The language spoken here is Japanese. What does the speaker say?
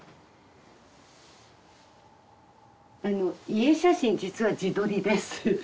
あの遺影写真実は自撮りです。